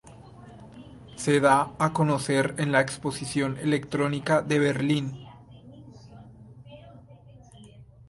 Se da a conocer en la Exposición Electrónica de Berlín.